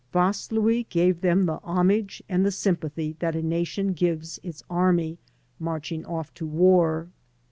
Vaslui gave them the homage and the sympathy that a nation gives its army marching off to war.